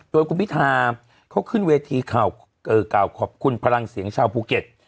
โดยคุณพิธาเขาขึ้นเวทีกล่าวขอบคุณพลังเสียงชาวภูเก็ต